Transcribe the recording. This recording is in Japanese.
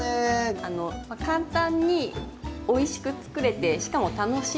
簡単においしく作れてしかも楽しい。